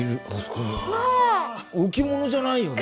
置物じゃないよね？